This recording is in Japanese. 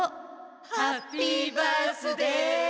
ハッピー・バースデー！